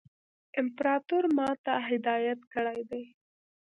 امپراطور ما ته هدایت کړی دی.